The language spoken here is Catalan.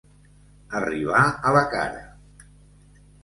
Arribar a la cara.